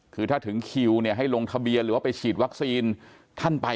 คือถ้าถึงคิวเนี่ยให้ลงทะเบียนหรือว่าไปฉีดวัคซีนท่านไป